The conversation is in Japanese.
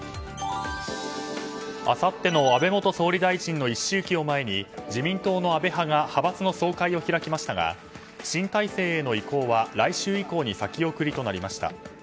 あさって安倍元総理大臣の１周忌を前に自民党の安倍派が派閥の総会を開きましたが新体制への移行は来週以降に先送りとなりました。